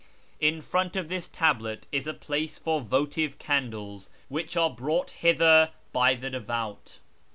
In front of this tablet is a place for votive candles, which are brought hither by the devout.